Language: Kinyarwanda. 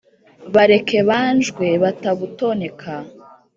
bareke banjwe batagutoneka.